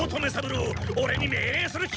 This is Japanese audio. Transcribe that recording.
オレに命令する気か！？